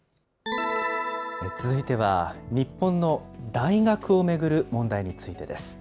続いては、日本の大学を巡る問題についてです。